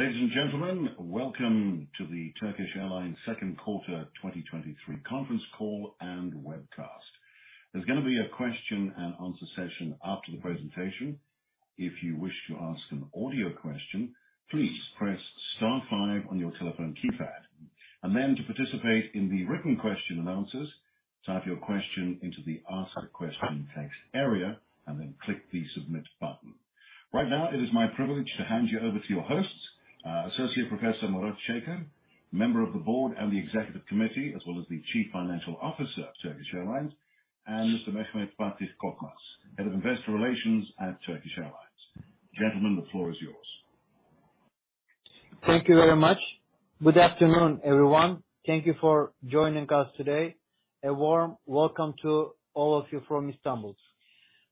Ladies and gentlemen, welcome to the Turkish Airlines second quarter 2023 conference call and webcast. There's gonna be a question and answer session after the presentation. If you wish to ask an audio question, please press star five on your telephone keypad, and then to participate in the written question and answers, type your question into the Ask a Question text area, and then click the Submit button. Right now, it is my privilege to hand you over to your hosts, Associate Professor Murat Şeker, Member of the Board and the Executive Committee, as well as the Chief Financial Officer of Turkish Airlines, and Mr. Mehmet Fatih Korkmaz, Head of Investor Relations at Turkish Airlines. Gentlemen, the floor is yours. Thank you very much. Good afternoon, everyone. Thank you for joining us today. A warm welcome to all of you from Istanbul.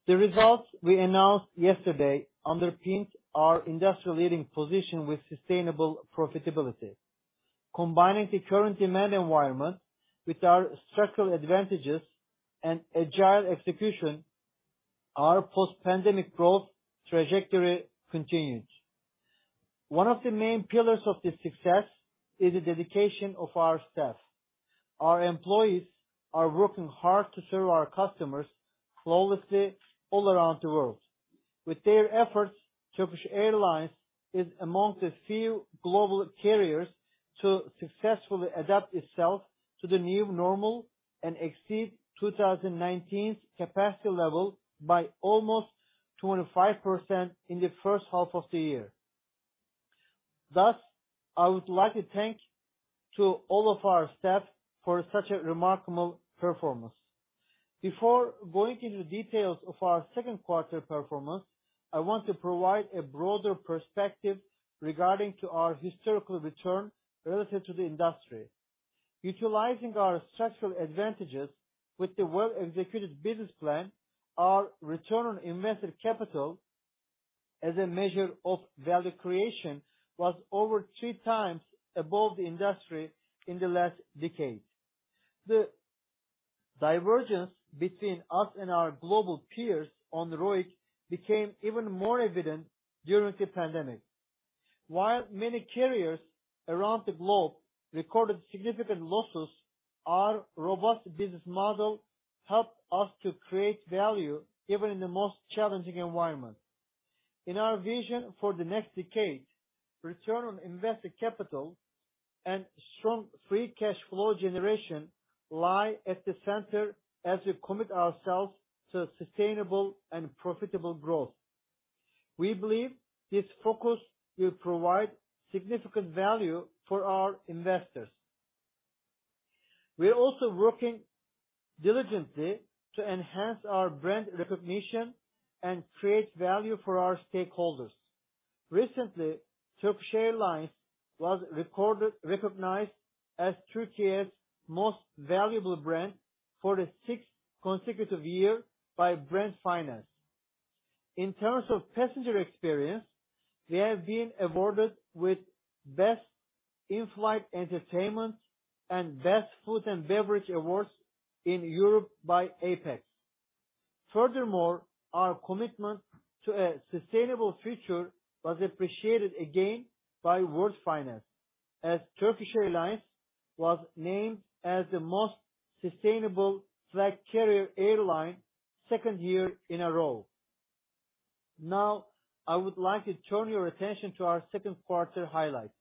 The results we announced yesterday underpinned our industry-leading position with sustainable profitability. Combining the current demand environment with our structural advantages and agile execution, our post-pandemic growth trajectory continued. One of the main pillars of this success is the dedication of our staff. Our employees are working hard to serve our customers flawlessly all around the world. With their efforts, Turkish Airlines is among the few global carriers to successfully adapt itself to the new normal and exceed 2019's capacity level by almost 25% in the first half of the year. Thus, I would like to thank to all of our staff for such a remarkable performance. Before going into the details of our second quarter performance, I want to provide a broader perspective regarding to our historical return relative to the industry. Utilizing our structural advantages with the well-executed business plan, our Return on Invested Capital as a measure of value creation, was over 3x above the industry in the last decade. The divergence between us and our global peers on ROIC became even more evident during the pandemic. While many carriers around the globe recorded significant losses, our robust business model helped us to create value even in the most challenging environment. In our vision for the next decade, Return on Invested Capital and strong Free Cash Flow generation lie at the center as we commit ourselves to sustainable and profitable growth. We believe this focus will provide significant value for our investors. We are also working diligently to enhance our brand recognition and create value for our stakeholders. Recently, Turkish Airlines was recognized as Türkiye's most valuable brand for the sixth consecutive year by Brand Finance. In terms of passenger experience, we have been awarded with Best In-flight Entertainment and Best Food and Beverage awards in Europe by APEX. Furthermore, our commitment to a sustainable future was appreciated again by World Finance, as Turkish Airlines was named as the Most Sustainable Flag Carrier Airline, second year in a row. Now, I would like to turn your attention to our second quarter highlights.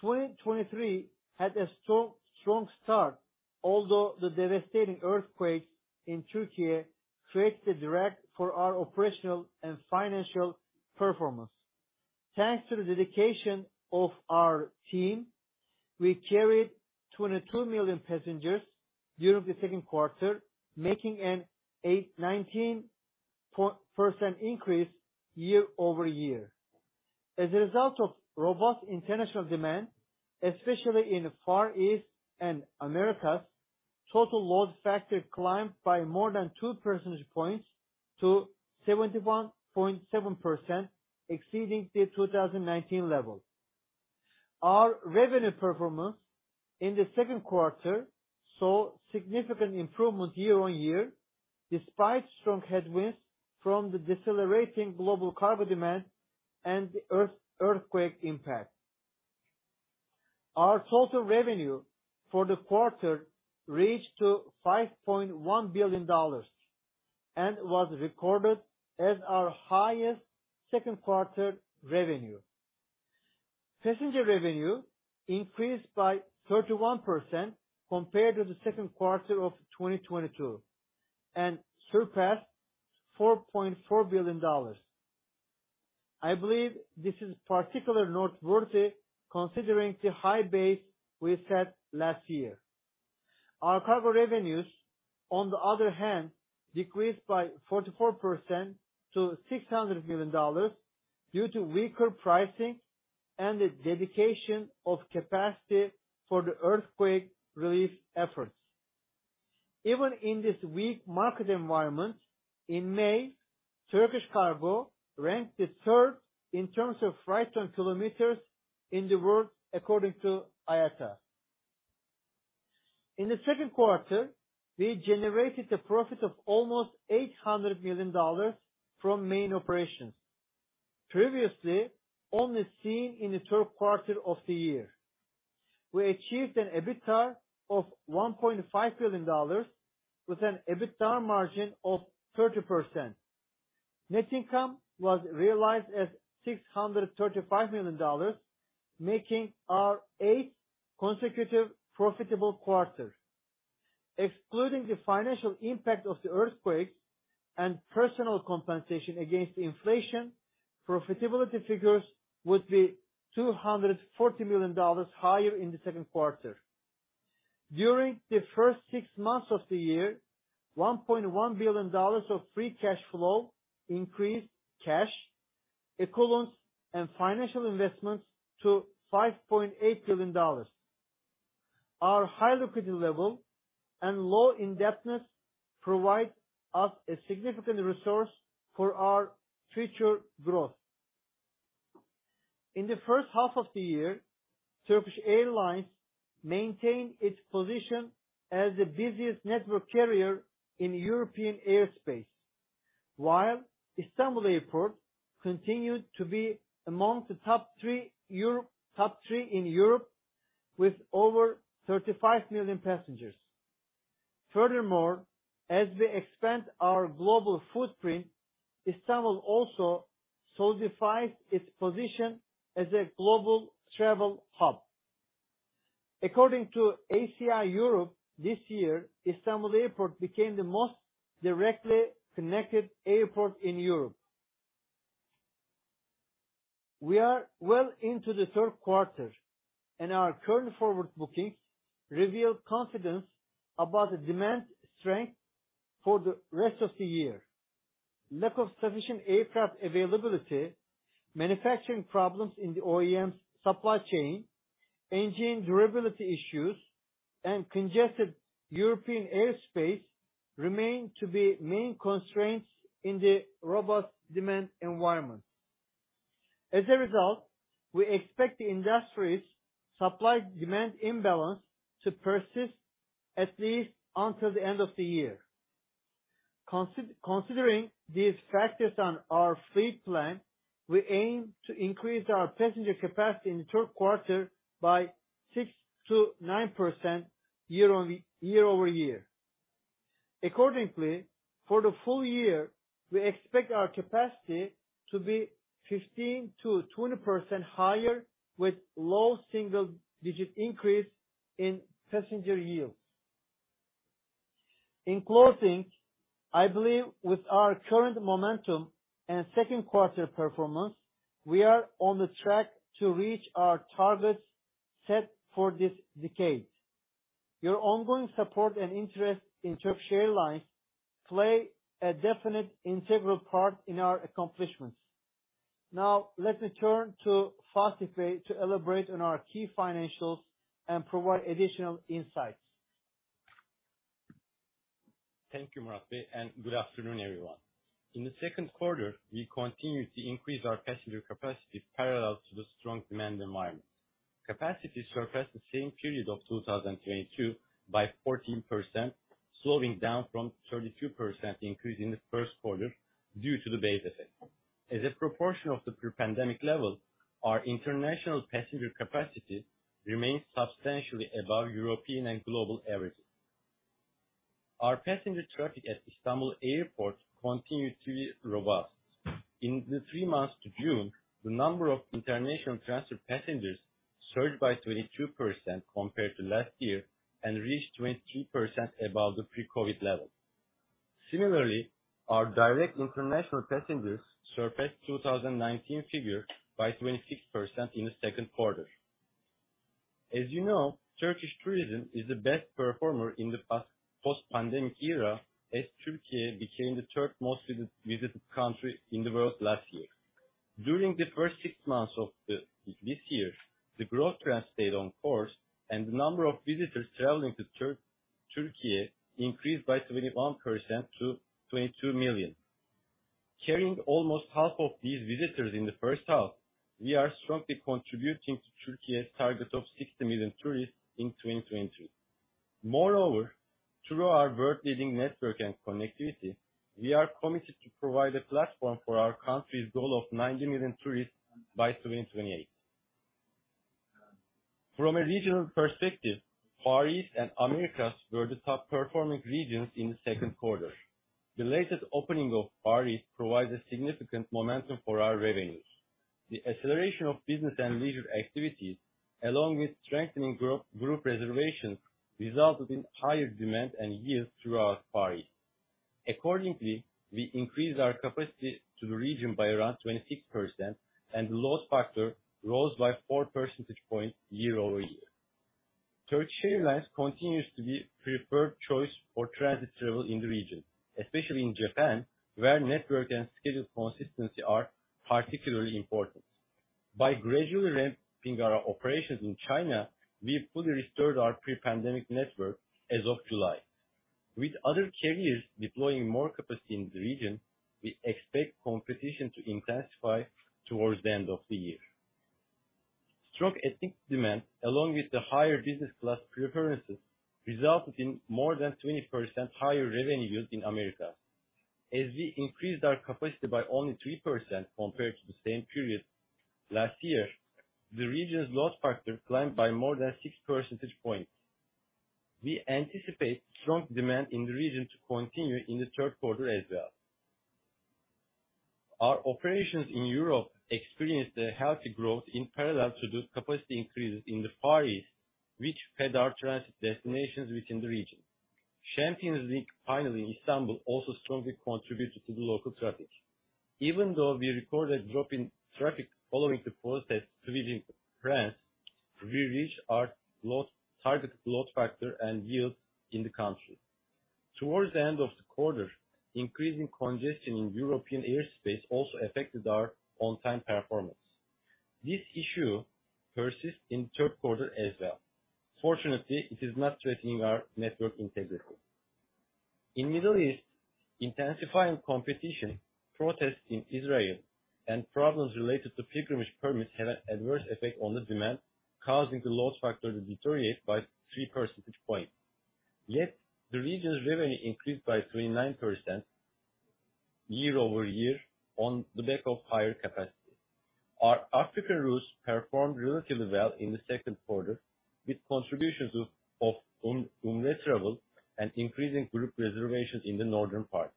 2023 had a strong, strong start, although the devastating earthquake in Türkiye created a drag for our operational and financial performance. Thanks to the dedication of our team, we carried 22 million passengers during the second quarter, making an 8%,19% increase year-over-year. As a result of robust international demand, especially in the Far East and Americas, total load factor climbed by more than 2 percentage points to 71.7%, exceeding the 2019 level. Our revenue performance in the second quarter saw significant improvement year-over-year, despite strong headwinds from the decelerating global cargo demand and the earthquake impact. Our total revenue for the quarter reached to $5.1 billion and was recorded as our highest second quarter revenue. Passenger revenue increased by 31% compared to the second quarter of 2022, and surpassed $4.4 billion. I believe this is particularly noteworthy considering the high base we set last year. Our cargo revenues, on the other hand, decreased by 44% to $600 million, due to weaker pricing and the dedication of capacity for the earthquake relief efforts. Even in this weak market environment, in May, Turkish Cargo ranked the third in terms of Freight Tonne-Kilometers in the world, according to IATA. In the second quarter, we generated a profit of almost $800 million from main operations, previously only seen in the third quarter of the year. We achieved an EBITDA of $1.5 billion, with an EBITDA margin of 30%. Net income was realized as $635 million, making our eighth consecutive profitable quarter. Excluding the financial impact of the earthquake and personal compensation against inflation, profitability figures would be $240 million higher in the second quarter. During the first six months of the year, $1.1 billion of Free Cash Flow increased cash equivalents and financial investments to $5.8 billion. Our high liquidity level and low indebtedness provide us a significant resource for our future growth. In the first half of the year, Turkish Airlines maintained its position as the busiest network carrier in European airspace, while Istanbul Airport continued to be among the top three in Europe, with over 35 million passengers. As we expand our global footprint, Istanbul also solidifies its position as a global travel hub. According to ACI EUROPE, this year, Istanbul Airport became the most directly connected airport in Europe. We are well into the third quarter, our current forward bookings reveal confidence about the demand strength for the rest of the year. Lack of sufficient aircraft availability, manufacturing problems in the OEM's supply chain, engine durability issues, and congested European airspace remain to be main constraints in the robust demand environment. As a result, we expect the industry's supply-demand imbalance to persist at least until the end of the year. Considering these factors on our fleet plan, we aim to increase our passenger capacity in the third quarter by 6%-9% year-over-year. Accordingly, for the full year, we expect our capacity to be 15%-20% higher, with low single-digit increase in passenger yields. In closing, I believe with our current momentum and second quarter performance, we are on the track to reach our targets set for this decade. Your ongoing support and interest in Turkish Airlines play a definite integral part in our accomplishments. Now, let me turn to Fatih to elaborate on our key financials and provide additional insights. Thank you, Murat Bey. Good afternoon, everyone. In the second quarter, we continued to increase our passenger capacity parallel to the strong demand environment. Capacity surpassed the same period of 2022 by 14%, slowing down from 32% increase in the first quarter due to the base effect. As a proportion of the pre-pandemic level, our international passenger capacity remains substantially above European and global averages. Our passenger traffic at Istanbul Airport continued to be robust. In the three months to June, the number of international transfer passengers surged by 22% compared to last year and reached 23% above the pre-COVID level. Similarly, our direct international passengers surpassed 2019 figure by 26% in the second quarter. As you know, Turkish tourism is the best performer in the past post-pandemic era, as Türkiye became the third most visited country in the world last year. During the first six months of the, this year, the growth trend stayed on course and the number of visitors traveling to Türkiye increased by 21% to 22 million. Carrying almost half of these visitors in the first half, we are strongly contributing to Türkiye's target of 60 million tourists in 2020. Moreover, through our world-leading network and connectivity, we are committed to provide a platform for our country's goal of 90 million tourists by 2028. From a regional perspective, Far East and Americas were the top performing regions in the second quarter. The latest opening of Far East provides a significant momentum for our revenues. The acceleration of business and leisure activities, along with strengthening group, group reservations, resulted in higher demand and yield throughout Far East. Accordingly, we increased our capacity to the region by around 26%, and load factor rose by 4 percentage points year-over-year. Turkish Airlines continues to be preferred choice for transit travel in the region, especially in Japan, where network and schedule consistency are particularly important. By gradually ramping our operations in China, we've fully restored our pre-pandemic network as of July. With other carriers deploying more capacity in the region, we expect competition to intensify towards the end of the year. Strong ethnic demand, along with the higher business class preferences, resulted in more than 20% higher revenues in America. As we increased our capacity by only 3% compared to the same period last year, the region's load factor climbed by more than 6 percentage points. We anticipate strong demand in the region to continue in the third quarter as well. Our operations in Europe experienced a healthy growth in parallel to the capacity increases in the Far East, which fed our transit destinations within the region. Champions League final in Istanbul also strongly contributed to the local traffic. Even though we recorded a drop in traffic following the protests sweeping France, we reached our targeted load factor and yields in the country. Towards the end of the quarter, increasing congestion in European airspace also affected our on-time performance. This issue persists in the third quarter as well. Fortunately, it is not threatening our network integrity. In Middle East, intensifying competition, protests in Israel, and problems related to pilgrimage permits had an adverse effect on the demand, causing the load factor to deteriorate by 3 percentage points. The region's revenue increased by 29% year-over-year on the back of higher capacity. Our African routes performed relatively well in the second quarter, with contributions of Umrah travel and increasing group reservations in the northern part.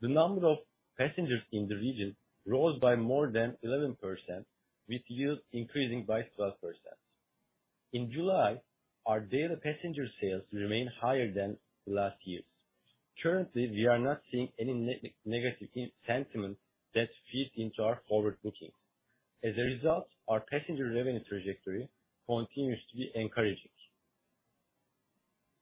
The number of passengers in the region rose by more than 11%, with yields increasing by 12%. In July, our daily passenger sales remained higher than last year's. Currently, we are not seeing any negative sentiment that feeds into our forward bookings. As a result, our passenger revenue trajectory continues to be encouraging.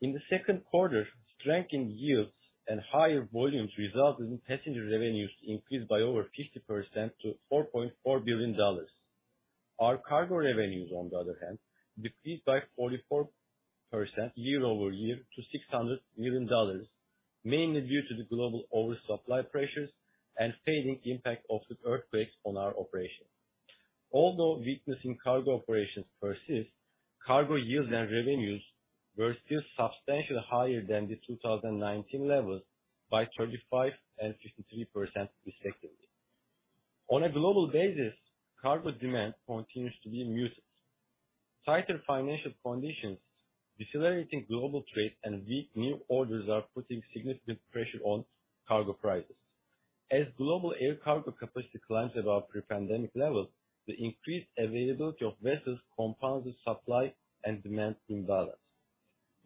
In the second quarter, strengthening yields and higher volumes resulted in passenger revenues to increase by over 50% to $4.4 billion. Our cargo revenues, on the other hand, decreased by 44% year-over-year to $600 million, mainly due to the global oversupply pressures and fading impact of the earthquakes on our operations. Although weakness in cargo operations persist, cargo yields and revenues were still substantially higher than the 2019 levels by 35% and 53% respectively. On a global basis, cargo demand continues to be muted. Tighter financial conditions, decelerating global trade, and weak new orders are putting significant pressure on cargo prices. As global air cargo capacity climbs above pre-pandemic levels, the increased availability of vessels compounds the supply and demand imbalance.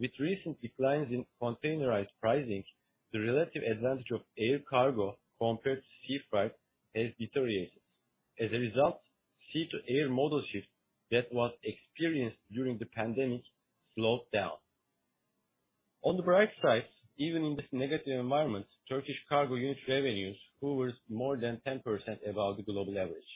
With recent declines in containerized pricing, the relative advantage of air cargo compared to sea freight has deteriorated. As a result, sea-to-air model shift that was experienced during the pandemic slowed down. On the bright side, even in this negative environment, Turkish Cargo unit revenues hovers more than 10% above the global average.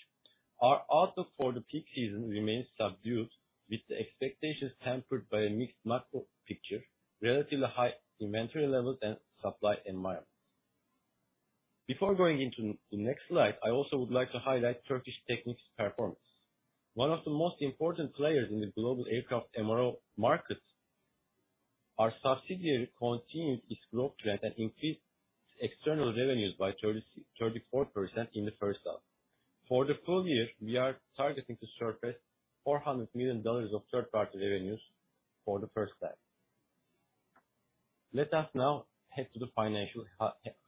Our outlook for the peak season remains subdued, with the expectations tempered by a mixed macro picture, relatively high inventory levels, and supply environments. Before going into the next slide, I also would like to highlight Turkish Technic's performance. One of the most important players in the global aircraft MRO market, our subsidiary continued its growth trend and increased external revenues by 34% in the first half. For the full year, we are targeting to surpass $400 million of third-party revenues for the first time. Let us now head to the financial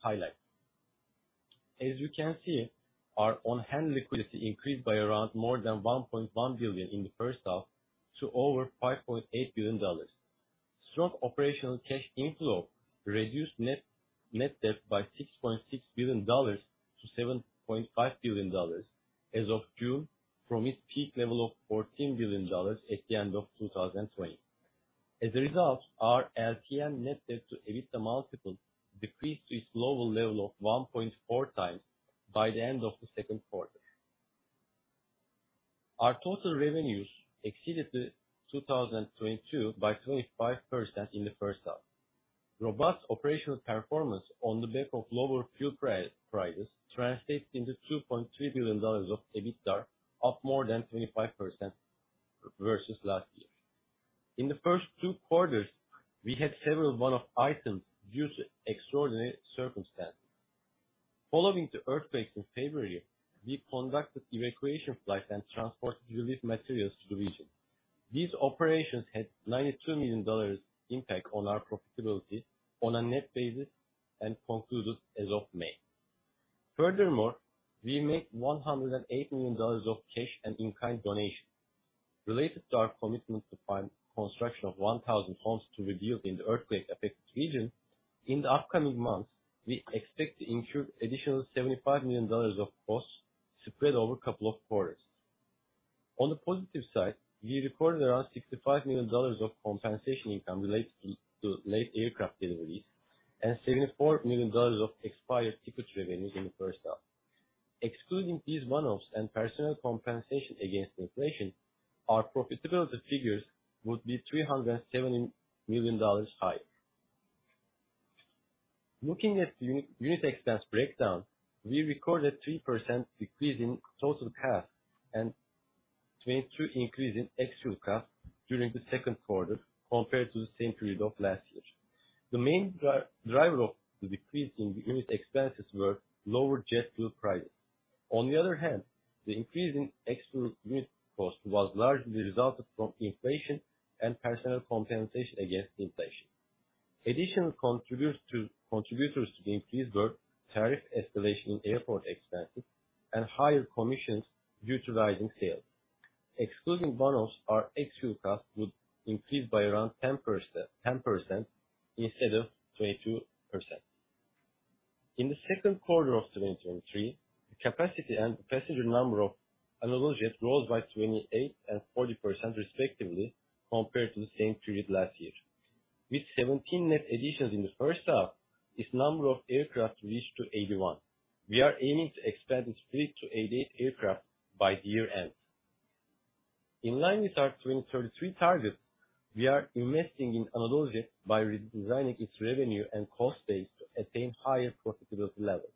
highlights. As you can see, our on-hand liquidity increased by around more than $1.1 billion in the first half to over $5.8 billion. Strong operational cash inflow reduced net debt by $6.6 billion to $7.5 billion as of June, from its peak level of $14 billion at the end of 2020. As a result, our LTM net debt to EBITDA multiple decreased to its lower level of 1.4x by the end of the second quarter. Our total revenues exceeded 2022 by 25% in the first half. Robust operational performance on the back of lower fuel prices translated into $2.3 billion of EBITDA, up more than 25% versus last year. In the first two quarters, we had several one-off items due to extraordinary circumstances. Following the earthquakes in February, we conducted evacuation flights and transported relief materials to the region. These operations had $92 million impact on our profitability on a net basis and concluded as of May. Furthermore, we made $108 million of cash and in-kind donations. Related to our commitment to fund construction of 1,000 homes to be built in the earthquake-affected region, in the upcoming months, we expect to incur additional $75 million of costs spread over a couple of quarters. On the positive side, we recorded around $65 million of compensation income related to late aircraft deliveries and $74 million of expired ticket revenues in the first half. Excluding these one-offs and personal compensation against inflation, our profitability figures would be $370 million higher. Looking at the unit expense breakdown, we recorded 3% decrease in total cost and 22 increase in extra cost during the second quarter compared to the same period of last year. The main driver of the decrease in the unit expenses were lower jet fuel prices. On the other hand, the increase in extra unit cost was largely resulted from inflation and personal compensation against inflation. Additional contributors to the increase were tariff escalation in airport expenses and higher commissions due to rising sales. Excluding bonos, our extra cost would increase by around 10% instead of 22%. In the second quarter of 2023, the capacity and passenger number of AnadoluJet rose by 28% and 40%, respectively, compared to the same period last year. With 17 net additions in the first half, its number of aircraft reached to 81. We are aiming to expand this fleet to 88 aircraft by the year end. In line with our 2033 targets, we are investing in AnadoluJet by redesigning its revenue and cost base to attain higher profitability levels.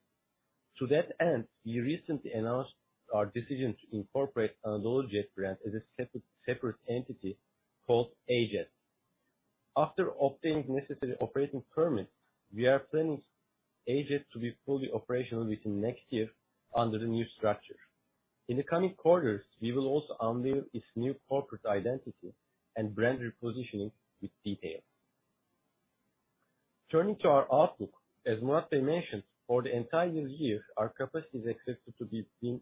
To that end, we recently announced our decision to incorporate AnadoluJet brand as a separate, separate entity called AJet. After obtaining the necessary operating permits, we are planning AJet to be fully operational within next year under the new structure. In the coming quarters, we will also unveil its new corporate identity and brand repositioning with detail. Turning to our outlook, as Murat mentioned, for the entire year, our capacity is expected to be between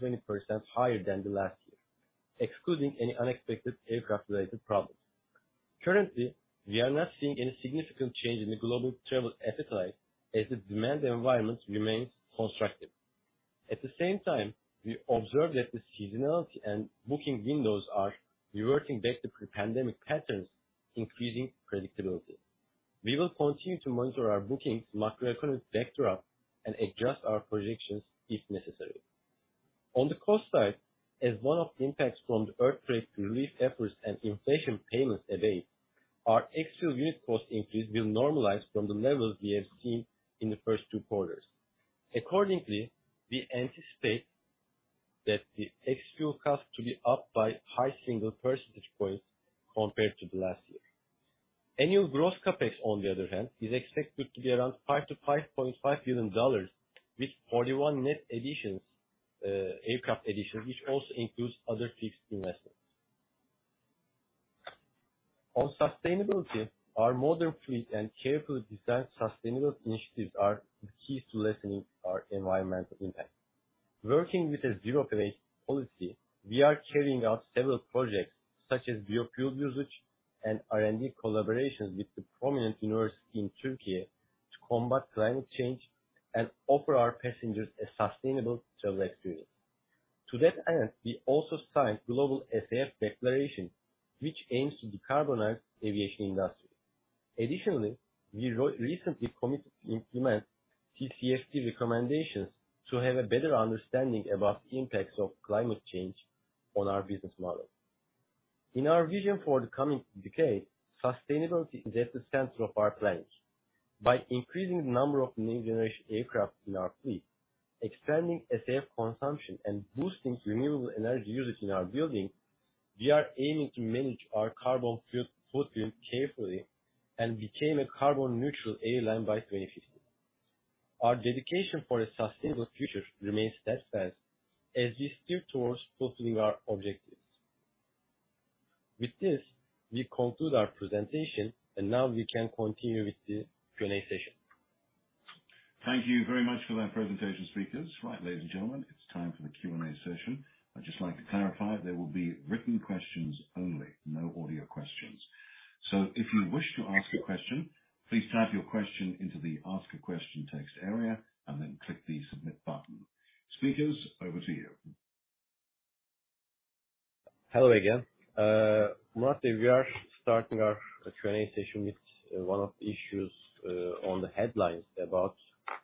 15%-20% higher than the last year, excluding any unexpected aircraft-related problems. Currently, we are not seeing any significant change in the global travel appetite as the demand environment remains constructive. At the same time, we observe that the seasonality and booking windows are reverting back to pre-pandemic patterns, increasing predictability. We will continue to monitor our bookings, macroeconomic backdrop, and adjust our projections if necessary. On the cost side, as one of the impacts from the earthquake relief efforts and inflation payments abate, our actual unit cost increase will normalize from the levels we have seen in the first two quarters. Accordingly, we anticipate that the extra cost to be up by high single percentage points compared to the last year. Annual gross CapEx, on the other hand, is expected to be around $5 billion-$5.5 billion, with 41 net additions, aircraft additions, which also includes other fixed investments. On sustainability, our modern fleet and carefully designed sustainable initiatives are the key to lessening our environmental impact. Working with a zero operation policy, we are carrying out several projects such as biofuel usage and R&D collaborations with the prominent university in Türkiye to combat climate change and offer our passengers a sustainable travel experience. To that end, we also signed Global SAF Declaration, which aims to decarbonize aviation industry. Additionally, we recently committed to implement TCFD recommendations to have a better understanding about the impacts of climate change on our business model. In our vision for the coming decade, sustainability is at the center of our plans. By increasing the number of new generation aircraft in our fleet, expanding SAF consumption, and boosting renewable energy usage in our buildings, we are aiming to manage our carbon footprint carefully and became a carbon neutral airline by 2050. Our dedication for a sustainable future remains steadfast as we steer towards fulfilling our objectives. With this, we conclude our presentation, now we can continue with the Q&A session. Thank you very much for that presentation, speakers. Right, ladies and gentlemen, it's time for the Q&A session. I'd just like to clarify, there will be written questions only, no audio questions. If you wish to ask a question, please type your question into the Ask a Question text area and then click the Submit button. Speakers, over to you. Hello again. Murat, we are starting our Q&A session with one of the issues on the headlines about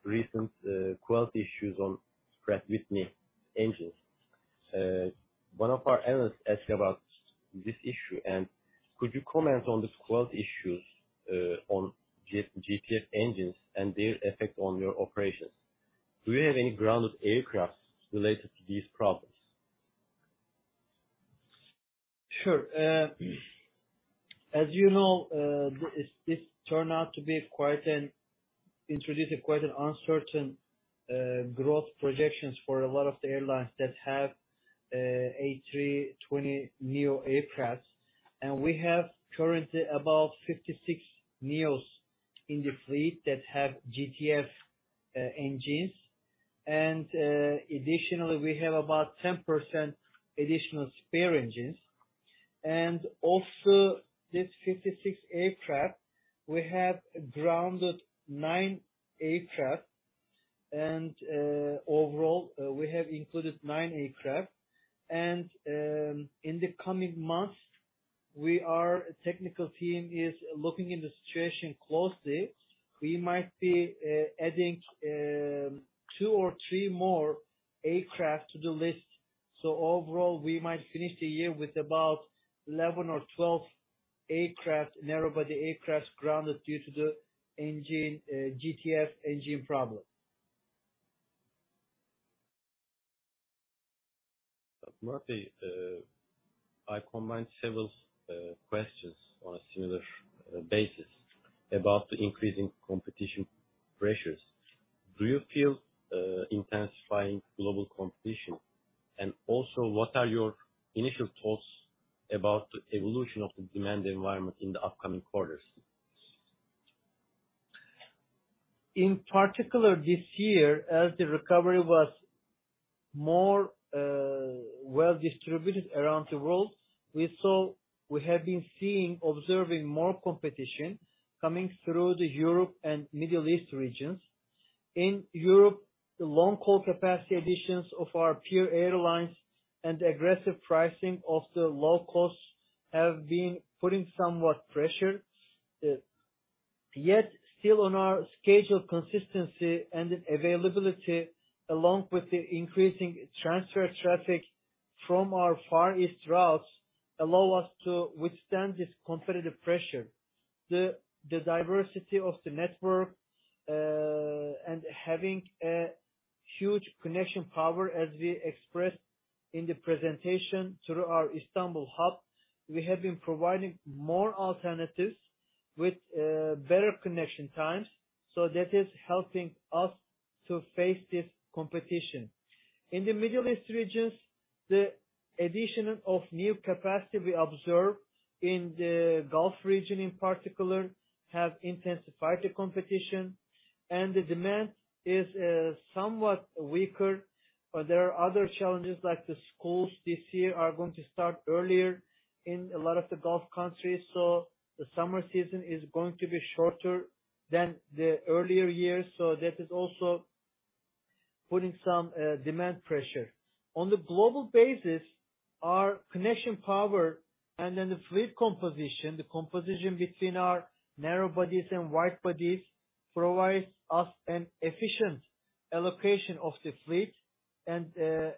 recent quality issues on Pratt & Whitney engines. One of our analysts asked about this issue. Could you comment on the quality issues on GTF, GTF engines and their effect on your operations? Do you have any grounded aircraft related to these problems? Sure. As you know, this turned out to be quite an uncertain growth projections for a lot of the airlines that have A320neo aircraft. We have currently about 56 neos in the fleet that have GTF engines. Additionally, we have about 10% additional spare engines. Also, this 56 aircraft, we have grounded nine aircraft, overall, we have included nine aircraft. In the coming months, we are. Technical team is looking in the situation closely. We might be adding two or three more aircraft to the list. Overall, we might finish the year with about 11 or 12 aircraft, narrow-body aircraft, grounded due to the engine GTF engine problem. Murat, I combine several questions on a similar basis about the increasing competition pressures. Do you feel intensifying global competition? Also, what are your initial thoughts about the evolution of the demand environment in the upcoming quarters? In particular, this year, as the recovery was more well distributed around the world, we have been seeing, observing more competition coming through the Europe and Middle East regions. In Europe, the long-haul capacity additions of our peer airlines and aggressive pricing of the low costs have been putting somewhat pressure. Yet still on our schedule consistency and availability, along with the increasing transfer traffic from our Far East routes, allow us to withstand this competitive pressure. The diversity of the network and having a huge connection power, as we expressed in the presentation through our Istanbul hub, we have been providing more alternatives with better connection times, that is helping us to face this competition. In the Middle East regions, the addition of new capacity we observed in the Gulf region, in particular, have intensified the competition, and the demand is somewhat weaker. There are other challenges, like the schools this year are going to start earlier in a lot of the Gulf countries, so the summer season is going to be shorter than the earlier years. That is also putting some demand pressure. On the global basis, our connection power and then the fleet composition, the composition between our narrow bodies and wide bodies, provides us an efficient allocation of the fleet and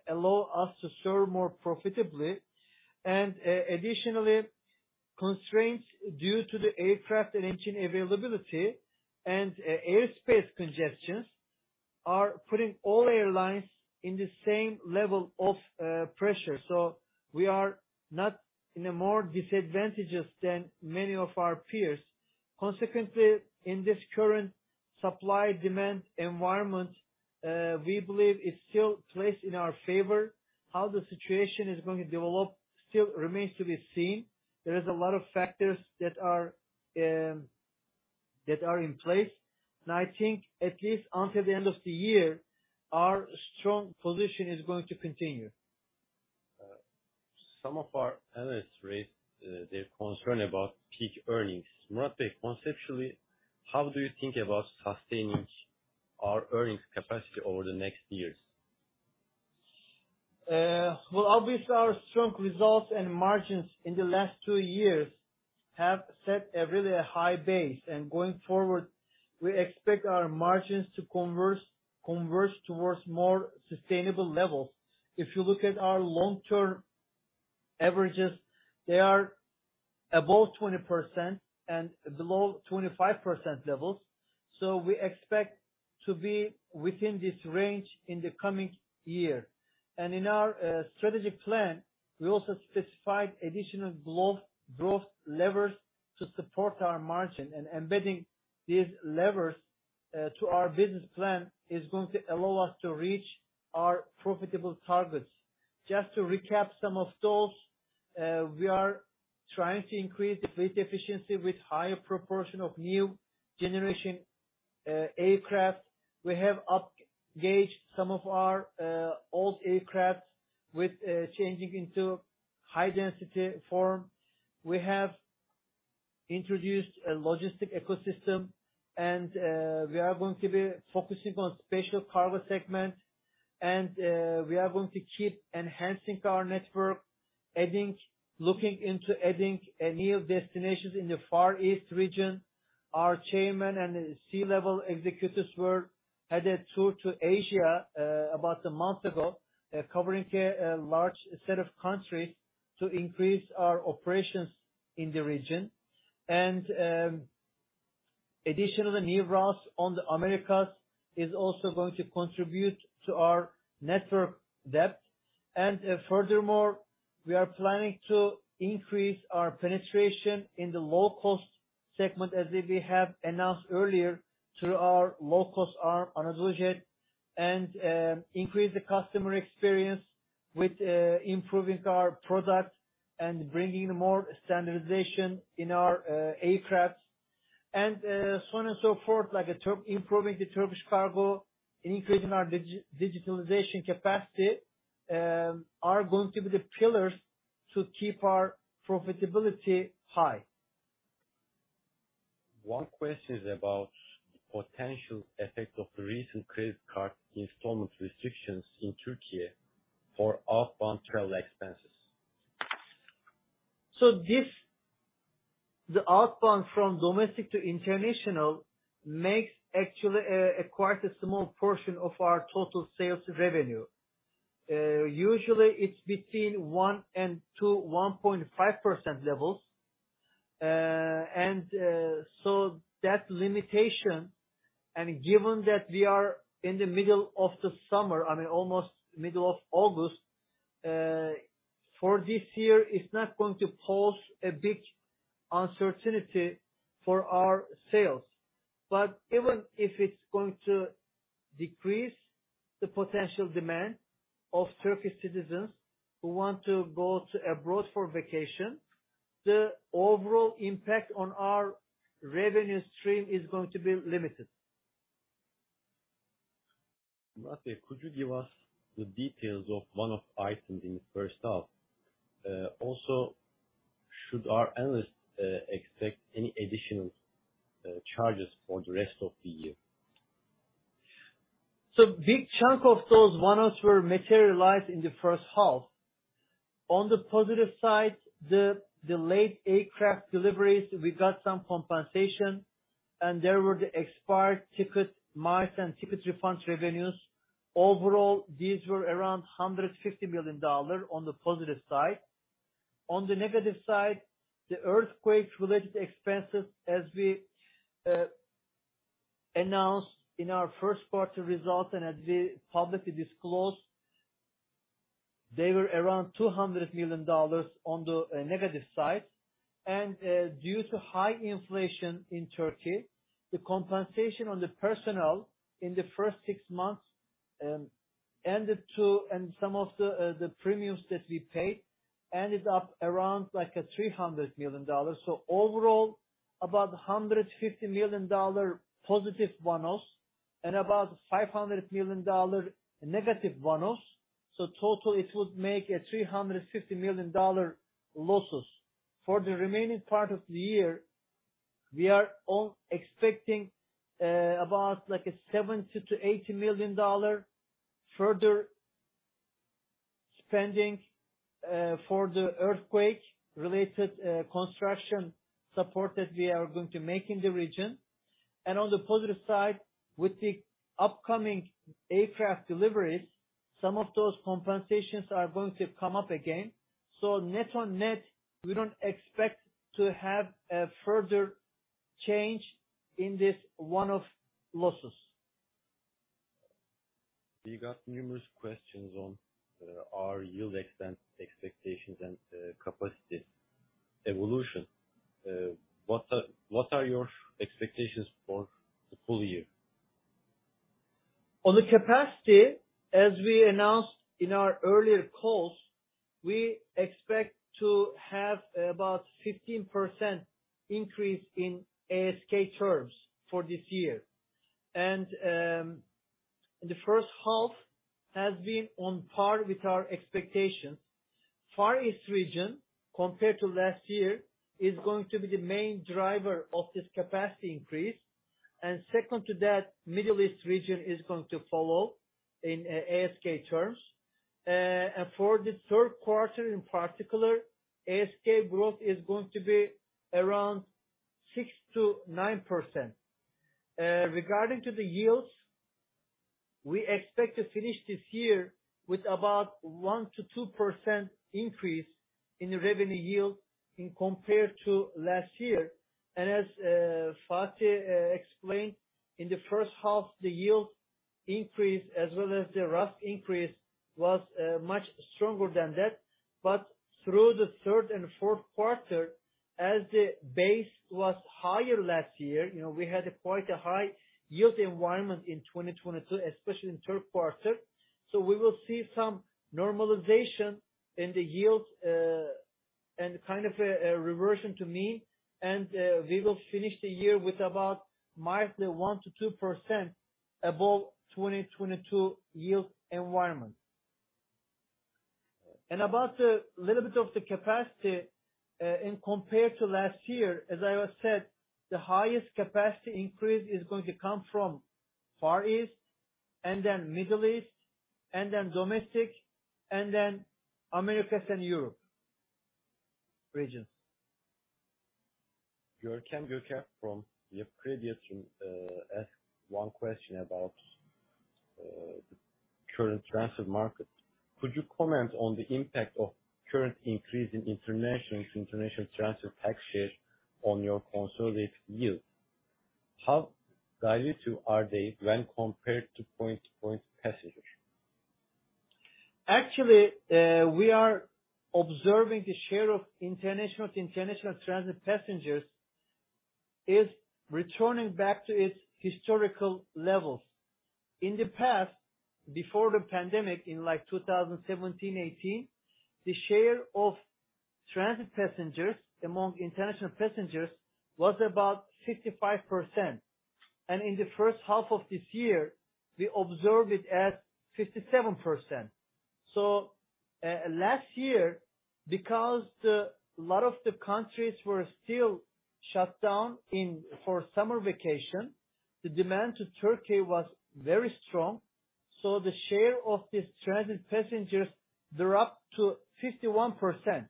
allow us to serve more profitably. Additionally, constraints due to the aircraft and engine availability and airspace congestions are putting all airlines in the same level of pressure, so we are not in a more disadvantages than many of our peers. Consequently, in this current supply-demand environment, we believe it's still placed in our favor. How the situation is going to develop still remains to be seen. There is a lot of factors that are, that are in place, and I think at least until the end of the year, our strong position is going to continue. Some of our analysts raised their concern about peak earnings. Murat, conceptually, how do you think about sustaining our earnings capacity over the next years? Well, obviously, our strong results and margins in the last two years have set a really a high base, going forward, we expect our margins to converse, converge towards more sustainable levels. If you look at our long-term averages, they are above 20% and below 25% levels, we expect to be within this range in the coming year. In our strategic plan, we also specified additional glo- growth levers to support our margin, and embedding these levers to our business plan is going to allow us to reach our profitable targets. Just to recap some of those, we are trying to increase the fleet efficiency with higher proportion of new generation aircraft. We have up gauged some of our old aircraft with changing into high density form. We have introduced a logistic ecosystem, and we are going to be focusing on special cargo segment, and we are going to keep enhancing our network, looking into adding a new destinations in the Far East region. Our chairman and C-level executives were headed tour to Asia, about a month ago, covering a large set of countries to increase our operations in the region. Additionally, new routes on the Americas is also going to contribute to our network depth. Furthermore, we are planning to increase our penetration in the low-cost segment, as we have announced earlier, through our low-cost arm, AnadoluJet, and increase the customer experience with improving our product and bringing more standardization in our aircraft and so on and so forth, improving the Turkish Cargo and increasing our digitalization capacity are going to be the pillars to keep our profitability high. One question is about the potential effect of the recent credit card installment restrictions in Türkiye for outbound travel expenses. This, the outbound from domestic to international makes actually a quite a small portion of our total sales revenue. Usually it's between 1% and 2%, 1.5% levels. That limitation, and given that we are in the middle of the summer, I mean, almost middle of August, for this year, it's not going to pose a big uncertainty for our sales. Even if it's going to decrease the potential demand of Turkish citizens who want to go to abroad for vacation, the overall impact on our revenue stream is going to be limited. Murat, could you give us the details of one-off item in the first half? Also, should our analysts expect any additional charges for the rest of the year? Big chunk of those one-offs were materialized in the first half. On the positive side, the delayed aircraft deliveries, we got some compensation, and there were the expired ticket marks and ticket refunds revenues. Overall, these were around $150 million on the positive side. On the negative side, the earthquake-related expenses, as we announced in our first quarter results and as we publicly disclosed, they were around $200 million on the negative side. Due to high inflation in Türkiye, the compensation on the personnel in the first six months, and some of the premiums that we paid ended up around like $300 million. Overall, about $150 million positive one-offs and about $500 million negative one-offs, so total it would make $350 million losses. For the remaining part of the year, we are expecting about like a $70 million-$80 million further spending for the earthquake-related construction support that we are going to make in the region. On the positive side, with the upcoming aircraft deliveries, some of those compensations are going to come up again. Net on net, we don't expect to have a further change in this one-off losses. We got numerous questions on our yield expense, expectations, and capacity evolution. What are your expectations for the full year? On the capacity, as we announced in our earlier calls, we expect to have about 15% increase in ASK terms for this year. The first half has been on par with our expectations. Far East region, compared to last year, is going to be the main driver of this capacity increase, and second to that, Middle East region is going to follow in ASK terms. For the third quarter, in particular, ASK growth is going to be around 6%-9%. Regarding to the yields, we expect to finish this year with about 1%-2% increase in the revenue yield in compared to last year. As Fatih explained, in the first half, the yield increase as well as the RASK increase was much stronger than that. Through the third and fourth quarter, as the base was higher last year, you know, we had quite a high yield environment in 2022, especially in third quarter. We will see some normalization in the yields, and kind of a, a reversion to mean, and we will finish the year with about mildly 1%-2% above 2022 yield environment. About a little bit of the capacity, in compared to last year, as I have said, the highest capacity increase is going to come from Far East, and then Middle East, and then Domestic, and then Americas and Europe regions. Can Yücel from the previous asked one question about the current transit market. Could you comment on the impact of current increase in international to international transit tax share on your consolidated yield? How dilutive are they when compared to point-to-point passengers? Actually, we are observing the share of international to international transit passengers is returning back to its historical levels. In the past, before the pandemic, in like 2017, 2018, the share of transit passengers among international passengers was about 55%. In the first half of this year, we observed it at 57%. Last year, because the lot of the countries were still shut down for summer vacation, the demand to Turkey was very strong. The share of these transit passengers dropped to 51%.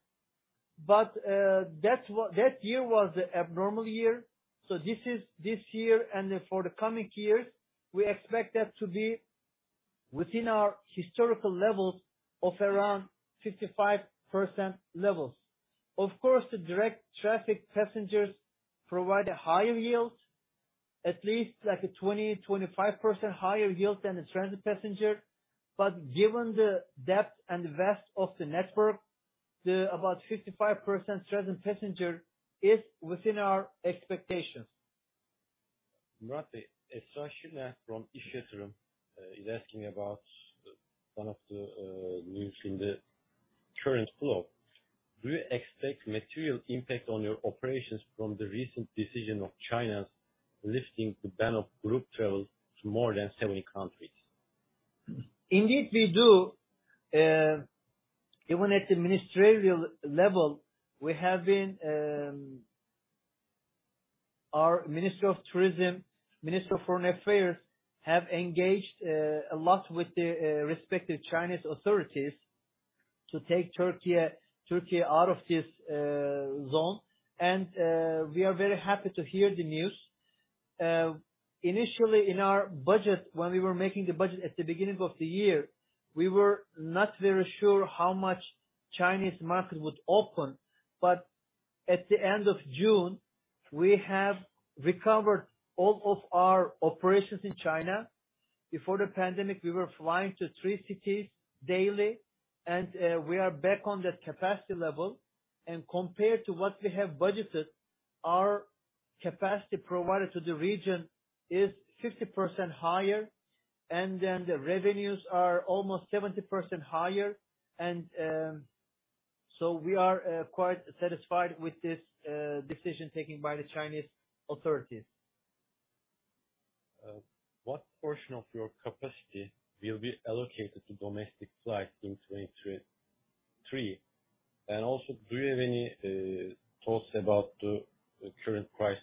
That year was an abnormal year, this is this year, for the coming years, we expect that to be within our historical levels of around 55% levels. Of course, the direct traffic passengers provide a higher yield, at least like a 20%-25% higher yield than the transit passenger. Given the depth and the vast of the network, the about 55% transit passenger is within our expectations. Murat, Esra Şener from İş Yatırım, is asking about one of the news in the current flow. Do you expect material impact on your operations from the recent decision of China lifting the ban of group travels to more than 70 countries? Indeed, we do. Even at the ministerial level, we have been... Our Ministry of Tourism, Ministry of Foreign Affairs, have engaged a lot with the respective Chinese authorities to take Turkey, Turkey out of this zone. We are very happy to hear the news. Initially, in our budget, when we were making the budget at the beginning of the year, we were not very sure how much Chinese market would open. At the end of June, we have recovered all of our operations in China. Before the pandemic, we were flying to three cities daily. We are back on that capacity level. Compared to what we have budgeted, our capacity provided to the region is 50% higher. The revenues are almost 70% higher. We are quite satisfied with this decision taking by the Chinese authorities. What portion of your capacity will be allocated to Domestic flights in 2023? Also, do you have any thoughts about the, the current price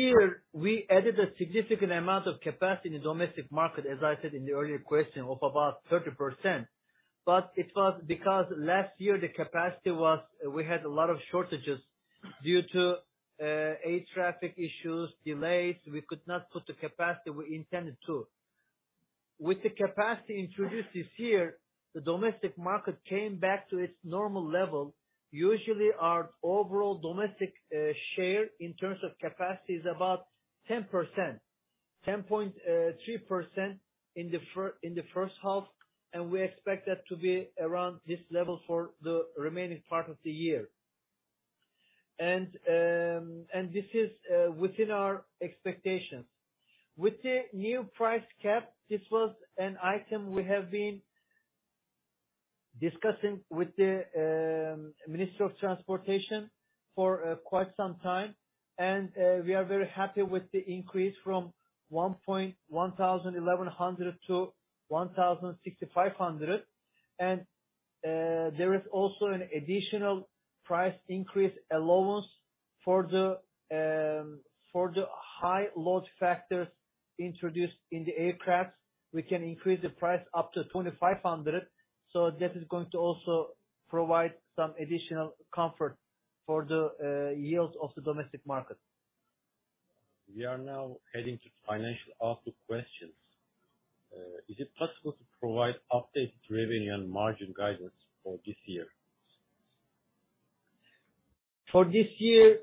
cap decision from Domestic traffic? This year, we added a significant amount of capacity in the domestic market, as I said in the earlier question, of about 30%. It was because last year the capacity was, we had a lot of shortages due to air traffic issues, delays. We could not put the capacity we intended to. With the capacity introduced this year, the domestic market came back to its normal level. Usually, our overall domestic share in terms of capacity is about 10%, 10.3% in the first half, and we expect that to be around this level for the remaining part of the year. This is within our expectations. With the new price cap, this was an item we have been discussing with the Ministry of Transportation for quite some time. We are very happy with the increase from 1,100 to 1,650. There is also an additional price increase allowance for the high load factors introduced in the aircraft. We can increase the price up to 2,500. This is going to also provide some additional comfort for the yields of the domestic market. We are now heading to financial outlook questions. Is it possible to provide updated revenue and margin guidance for this year? For this year,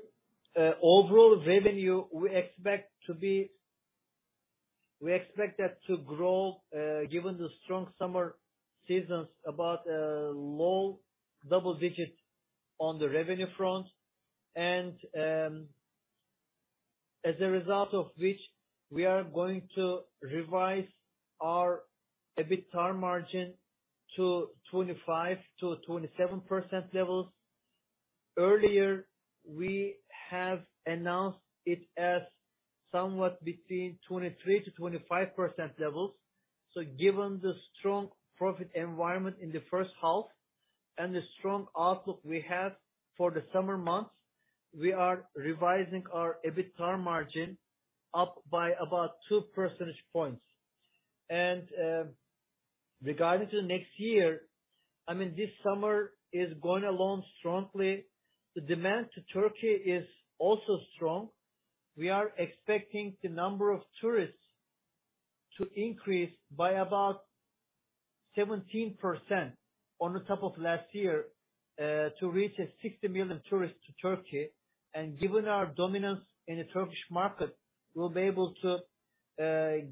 overall revenue, We expect that to grow, given the strong summer seasons, about low double digits on the revenue front, as a result of which, we are going to revise our EBITDA margin to 25%-27% levels. Earlier, we have announced it as somewhat between 23%-25% levels. Given the strong profit environment in the first half and the strong outlook we have for the summer months, we are revising our EBITDA margin up by about 2 percentage points. Regarding to next year, I mean, this summer is going along strongly. The demand to Türkiye is also strong. We are expecting the number of tourists to increase by about 17% on the top of last year, to reach a 60 million tourists to Türkiye. Given our dominance in the Turkish market, we'll be able to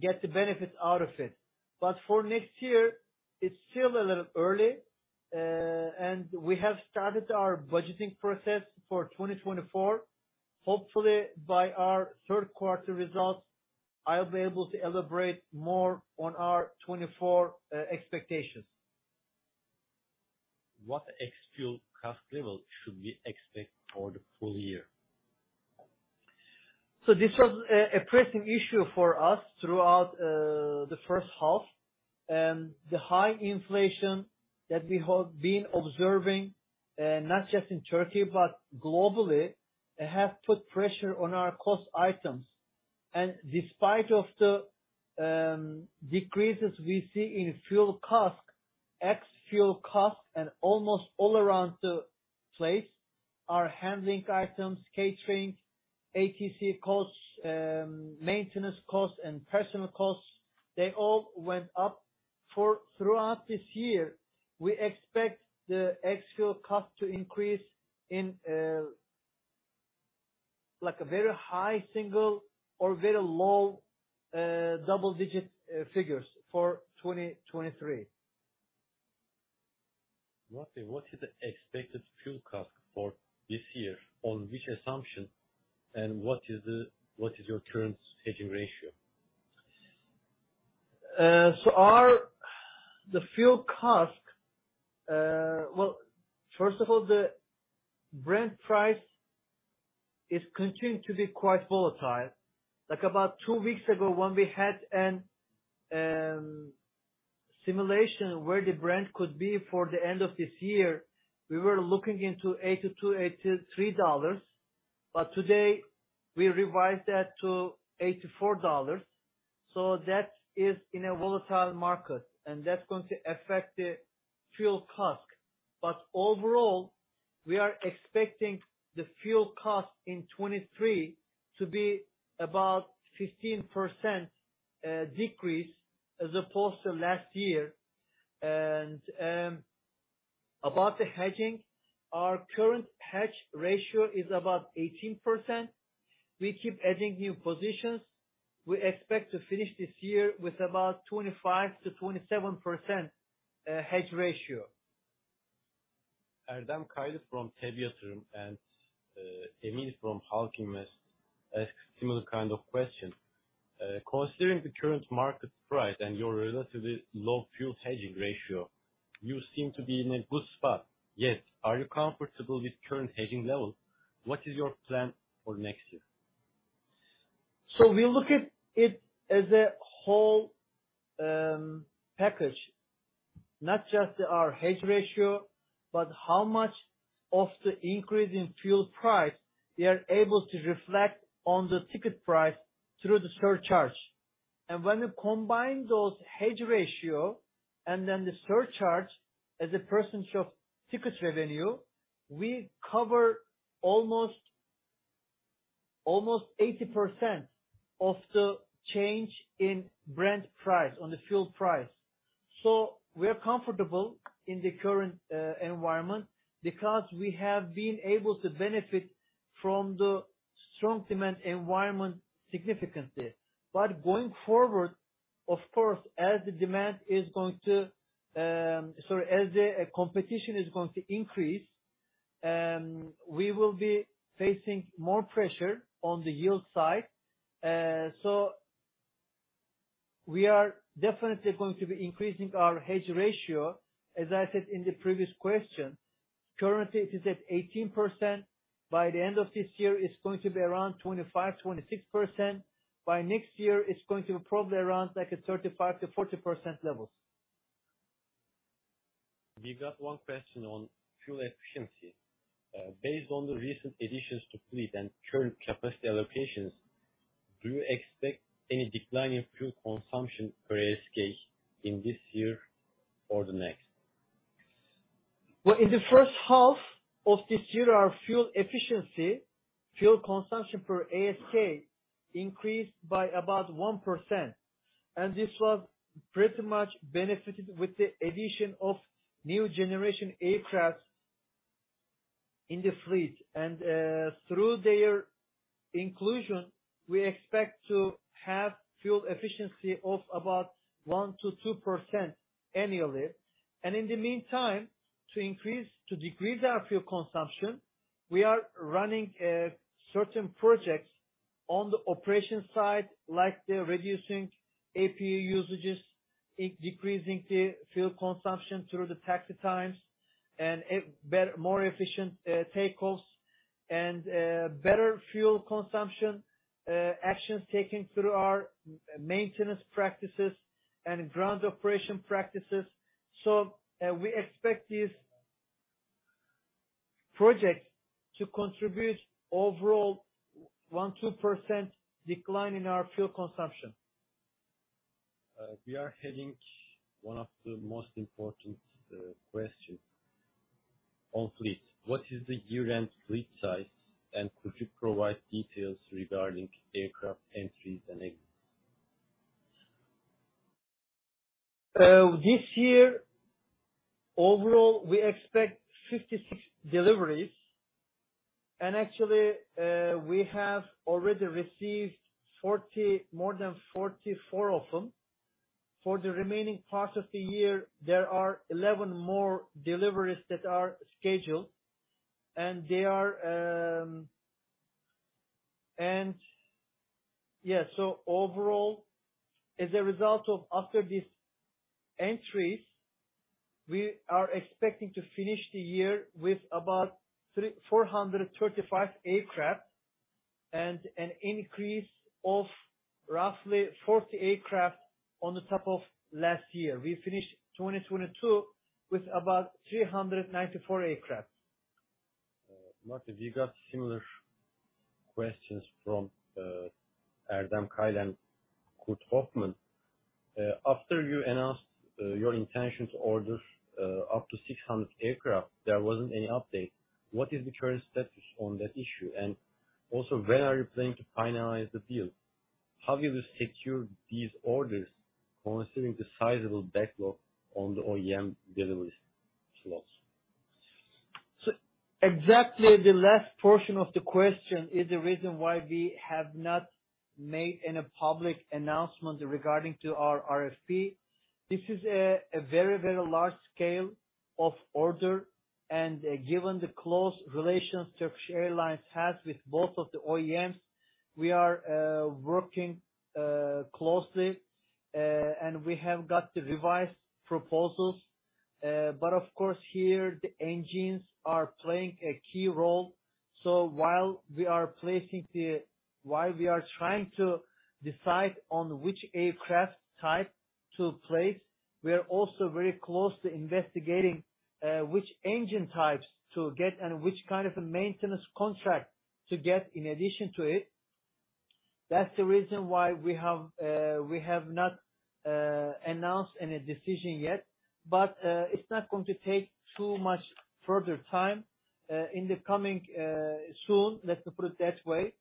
get the benefits out of it. For next year, it's still a little early, and we have started our budgeting process for 2024. Hopefully, by our third quarter results, I'll be able to elaborate more on our 2024 expectations. What ex-fuel cost level should we expect for the full year? This was a, a pressing issue for us throughout the first half. The high inflation that we have been observing, not just in Türkiye, but globally, have put pressure on our cost items. Despite of the decreases we see in fuel cost, ex fuel cost, and almost all around the place, our handling items, catering, ATC costs, maintenance costs, and personal costs, they all went up. Throughout this year, we expect the ex fuel cost to increase in like a very high single or very low double digit figures for 2023. What is the expected fuel cost for this year, on which assumption, and what is your current hedging ratio? Our, the fuel cost. Well, first of all, the Brent price is continuing to be quite volatile. Like about two weeks ago, when we had a simulation where the Brent could be for the end of this year, we were looking into $82-$83, but today we revised that to $84. That is in a volatile market, and that's going to affect the fuel cost. Overall, we are expecting the fuel cost in 2023 to be about 15% decrease as opposed to last year. About the hedging, our current hedge ratio is about 18%. We keep adding new positions. We expect to finish this year with about 25%-27% hedge ratio. Erdem Kayış from TEB Yatırım and Emil from Alkimis, ask similar kind of question. Considering the current market price and your relatively low fuel hedging ratio, you seem to be in a good spot. Yet, are you comfortable with current hedging level? What is your plan for next year? We look at it as a whole package, not just our hedge ratio, but how much of the increase in fuel price we are able to reflect on the ticket price through the surcharge. When you combine those hedge ratio and then the surcharge as a percentage of ticket revenue, we cover almost, almost 80% of the change in Brent price, on the fuel price. We are comfortable in the current environment because we have been able to benefit from the strong demand environment significantly. Going forward, of course, as the demand is going to, sorry, as the competition is going to increase, we will be facing more pressure on the yield side. We are definitely going to be increasing our hedge ratio, as I said in the previous question. Currently, it is at 18%. By the end of this year, it's going to be around 25%-26%. By next year, it's going to be probably around like a 35%-40% levels. We got one question on fuel efficiency. Based on the recent additions to fleet and current capacity allocations, do you expect any decline in fuel consumption per ASK in this year or the next? Well, in the first half of this year, our fuel efficiency, fuel consumption per ASK increased by about 1%, this was pretty much benefited with the addition of new generation aircraft in the fleet. Through their inclusion, we expect to have fuel efficiency of about 1%-2% annually. In the meantime, to decrease our fuel consumption, we are running certain projects on the operation side, like the reducing APU usages, in decreasing the fuel consumption through the taxi times, and a better, more efficient takeoffs, and better fuel consumption actions taken through our maintenance practices and ground operation practices. We expect these projects to contribute overall 1%-2% decline in our fuel consumption. We are heading one of the most important question on fleet. What is the year-end fleet size, and could you provide details regarding aircraft entries and exits? This year, overall, we expect 56 deliveries, and actually, we have already received more than 44 of them. For the remaining part of the year, there are 11 more deliveries that are scheduled, and they are. Overall, we are expecting to finish the year with about 435 aircraft and an increase of roughly 40 aircraft on the top of last year. We finished 2022 with about 394 aircraft. Murat, you got similar questions from Erdem Kayış, Cenk Orcan. After you announced your intention to order up to 600 aircraft, there wasn't any update. What is the current status on that issue? Also, when are you planning to finalize the deal? How will you secure these orders considering the sizable backlog on the OEM delivery slots? Exactly the last portion of the question is the reason why we have not made any public announcement regarding to our RFP. This is a very, very large scale of order, and given the close relationship Turkish Airlines has with both of the OEMs, we are working closely and we have got the revised proposals. But of course, here, the engines are playing a key role. While we are trying to decide on which aircraft type to place, we are also very closely investigating which engine types to get and which kind of a maintenance contract to get in addition to it. That's the reason why we have not announced any decision yet, but it's not going to take too much further time. In the coming, soon, let's put it that way,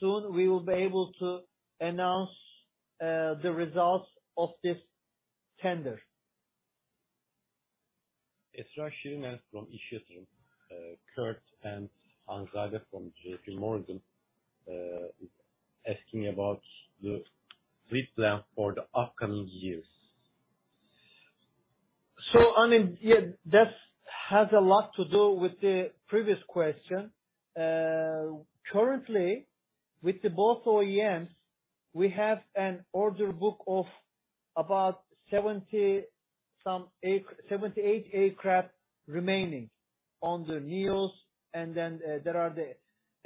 soon we will be able to announce the results of this tender. Esra Şener from İş Yatırım, Kurt and Ayşe Avcı from JP Morgan, is asking about the fleet plan for the upcoming years. I mean, yeah, that has a lot to do with the previous question. Currently, with the both OEMs, we have an order book of about 78 aircraft remaining on the A321neo, and then, there are the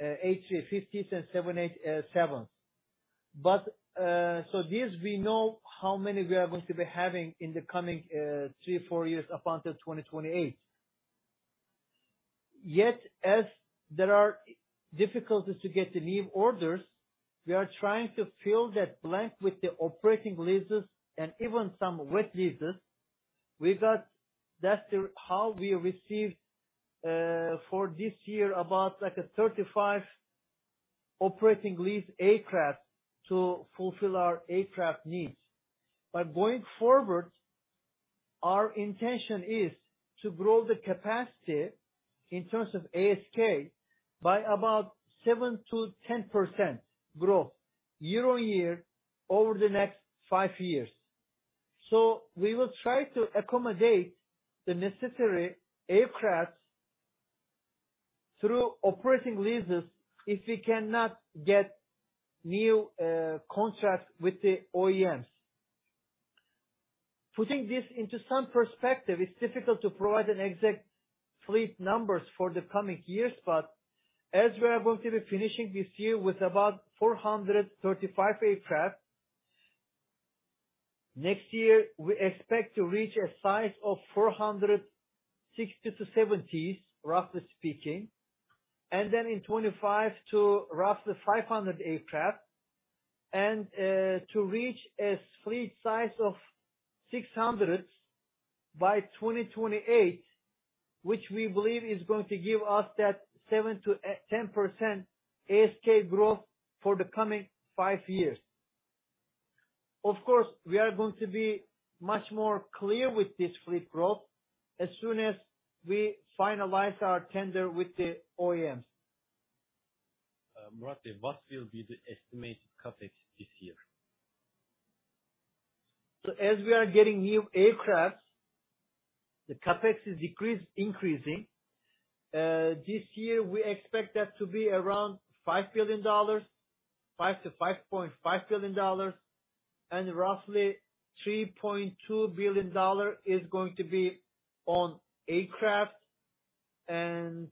A350s and 787s. These we know how many we are going to be having in the coming, three or four years up until 2028. Yet, as there are difficulties to get the new orders, we are trying to fill that blank with the operating leases and even some wet leases. That's the how we received, for this year, about, like, a 35 operating lease aircraft to fulfill our aircraft needs. Going forward, our intention is to grow the capacity in terms of ASK by about 7%-10% growth year-on-year over the next five years. We will try to accommodate the necessary aircraft through operating leases if we cannot get new contracts with the OEMs. Putting this into some perspective, it's difficult to provide an exact fleet numbers for the coming years, but as we are going to be finishing this year with about 435 aircraft, next year, we expect to reach a size of 460-470, roughly speaking, and then in 2025 to roughly 500 aircraft, and to reach a fleet size of 600 by 2028, which we believe is going to give us that 7%-10% ASK growth for the coming five years. Of course, we are going to be much more clear with this fleet growth as soon as we finalize our tender with the OEMs. Murat, what will be the estimated CapEx this year? As we are getting new aircraft, the CapEx is decrease- increasing. This year, we expect that to be around $5 billion, $5 billion-$5.5 billion, and roughly $3.2 billion is going to be on aircraft. The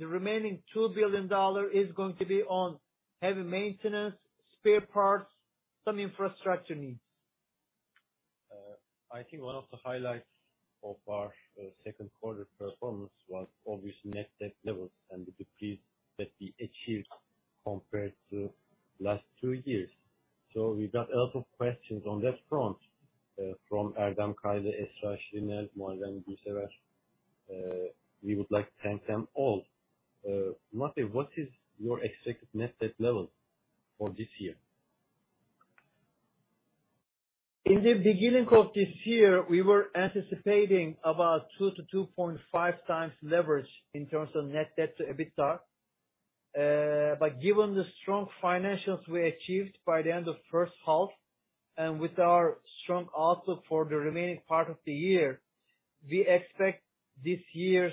remaining $2 billion is going to be on heavy maintenance, spare parts, some infrastructure needs. I think one of the highlights of our second quarter performance was obviously net debt levels and the decrease that we achieved compared to last two years. We got a lot of questions on that front from Erdem Kayış, Esra Şener, Muhammed Küçük. We would like to thank them all. Murat, what is your expected net debt level for this year? In the beginning of this year, we were anticipating about 2x-2.5x leverage in terms of Net Debt to EBITDA. Given the strong financials we achieved by the end of first half, and with our strong outlook for the remaining part of the year, we expect this year's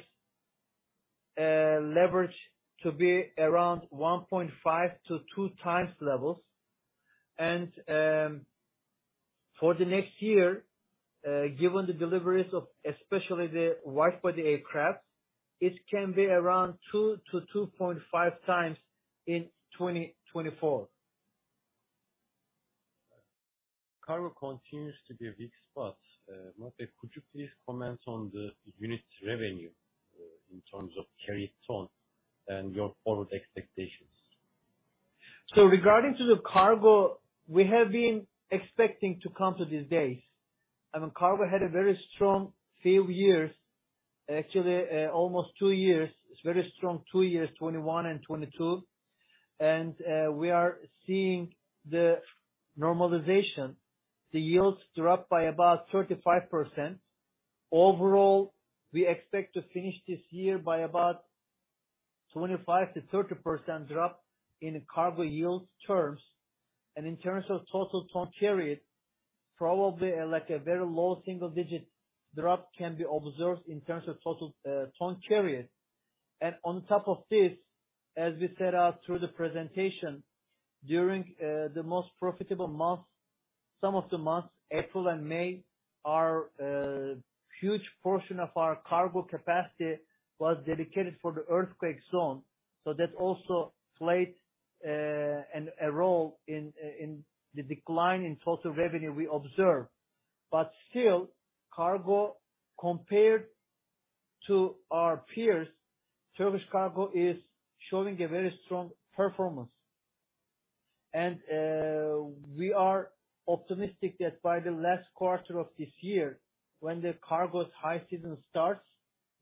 leverage to be around 1.5x-2x levels. For the next year, given the deliveries of especially the wide-body aircraft, it can be around 2x-2.5x in 2024. Cargo continues to be a weak spot. Mert, could you please comment on the unit revenue, in terms of carried tonne and your forward expectations? Regarding to the cargo, we have been expecting to come to these days. I mean, cargo had a very strong few years, actually, almost two years. It's very strong two years, 2021 and 2022, and we are seeing the normalization. The yields dropped by about 35%. Overall, we expect to finish this year by about 25%-30% drop in cargo yield terms. In terms of total tonne carried, probably, like a very low single digit drop can be observed in terms of total tonne carried. On top of this, as we said out through the presentation, during the most profitable months, some of the months, April and May, our huge portion of our cargo capacity was dedicated for the earthquake zone. That also played an, a role in the decline in total revenue we observe. Still, cargo, compared to our peers, Turkish Cargo is showing a very strong performance. We are optimistic that by the last quarter of this year, when the cargo's high season starts,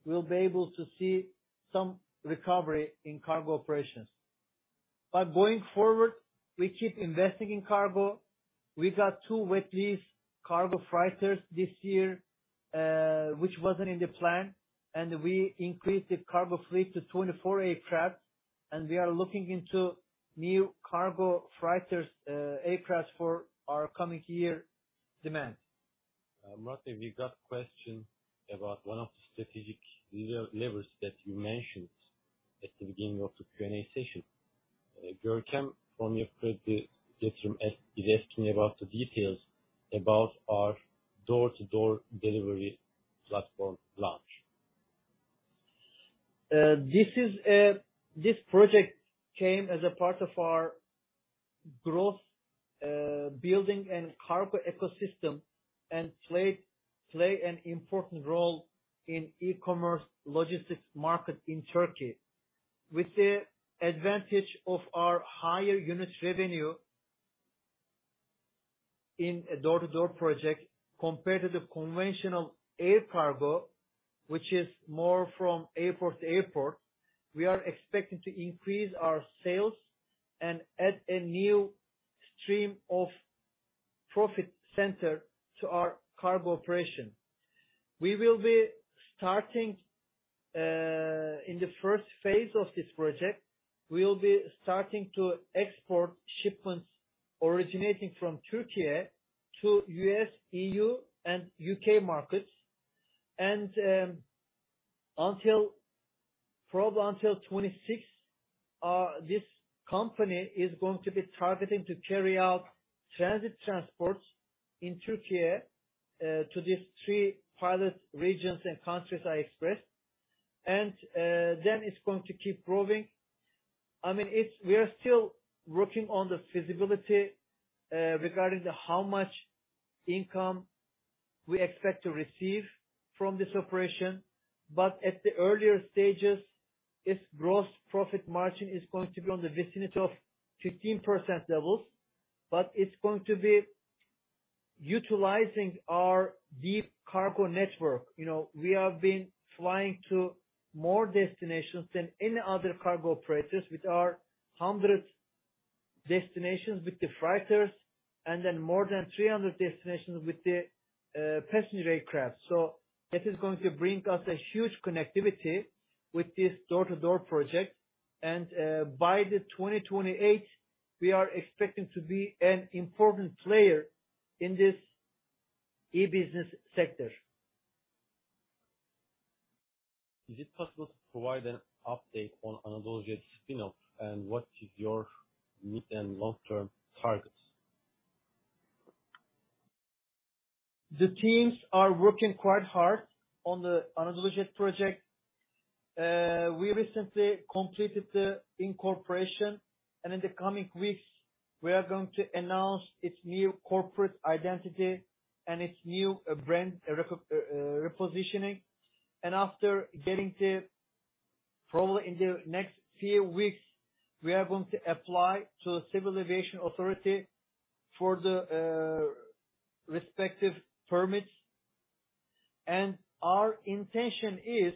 we'll be able to see some recovery in cargo operations. Going forward, we keep investing in cargo. We got two wet lease cargo freighters this year, which wasn't in the plan, and we increased the cargo fleet to 24 aircraft, and we are looking into new cargo freighters, aircraft for our coming year demand. Murat Şeker, we got a question about one of the strategic levels that you mentioned at the beginning of the Q&A session. Görkem, from your previous session, is asking about the details about our door-to-door delivery platform launch. This project came as a part of our growth, building and cargo ecosystem, and play an important role in e-commerce logistics market in Türkiye. With the advantage of our higher unit revenue in a door-to-door project, compared to the conventional air cargo, which is more from airport to airport, we are expecting to increase our sales and add a new stream of profit center to our cargo operation. We will be starting, in the first phase of this project, we will be starting to export shipments originating from Türkiye to U.S., EU, and U.K. markets. Until, probably until 2026, this company is going to be targeting to carry out transit transports in Türkiye, to these three pilot regions and countries I expressed, then it's going to keep growing. I mean, we are still working on the feasibility regarding to how much income we expect to receive from this operation, but at the earlier stages, its gross profit margin is going to be on the vicinity of 15% levels, but it's going to be utilizing our deep cargo network. You know, we have been flying to more destinations than any other cargo operators, with our 100 destinations with the freighters and then more than 300 destinations with the passenger aircraft. This is going to bring us a huge connectivity with this door-to-door project. By the 2028, we are expecting to be an important player in this e-business sector. Is it possible to provide an update on AnadoluJet spin-off, and what is your mid- and long-term targets? The teams are working quite hard on the AnadoluJet project. We recently completed the incorporation, in the coming weeks, we are going to announce its new corporate identity and its new brand repositioning. Probably in the next few weeks, we are going to apply to the Civil Aviation Authority for the respective permits. Our intention is,